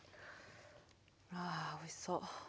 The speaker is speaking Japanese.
あおいしそう。